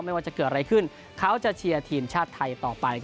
ไม่ว่าจะเกิดอะไรขึ้นเขาจะเชียร์ทีมชาติไทยต่อไป